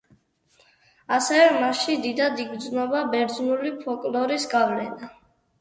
ასევე მასში დიდად იგრძნობა ბერძნული ფოლკლორის გავლენა.